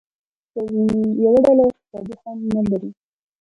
یوه ډله اقتصادي خوند نه لري.